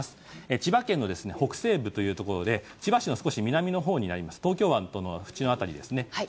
千葉県の北西部というところで千葉市の少し南のほう東京湾の縁のほうです。